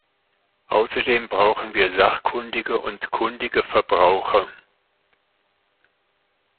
Außerdem brauchen wir sachkundige und kundige Verbraucher.